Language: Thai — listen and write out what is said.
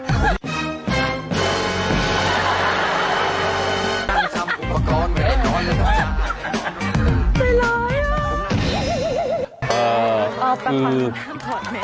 อ่อแปลงฟันห้ามถอดแมส